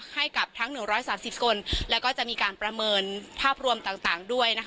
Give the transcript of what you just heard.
ให้กับทั้ง๑๓๐คนแล้วก็จะมีการประเมินภาพรวมต่างด้วยนะคะ